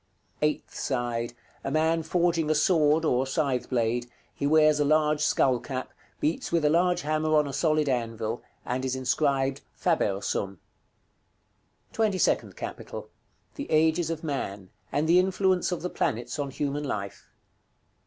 Eighth side. A man forging a sword, or scythe blade: he wears a large skull cap; beats with a large hammer on a solid anvil; and is inscribed "FABER SUM." § CXXI. TWENTY SECOND CAPITAL. The Ages of Man; and the influence of the planets on human life.